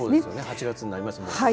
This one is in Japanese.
８月になりますもんね。